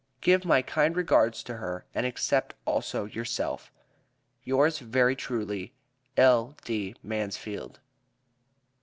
Give my kind regards to her and accept also yourself, Yours very truly, L.D. MANSFIELD.